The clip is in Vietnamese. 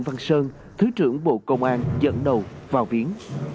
văn sơn thứ trưởng bộ công an dẫn đầu vào viến